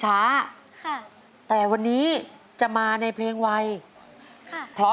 ใจรองได้ช่วยกันรองด้วยนะคะ